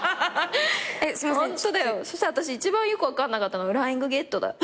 そしたら私一番よく分かんなかったの『フライングゲット』だよ。